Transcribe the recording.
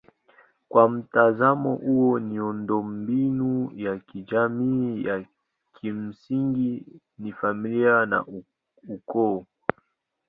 Kwa mtazamo huo miundombinu ya kijamii ya kimsingi ni familia na ukoo.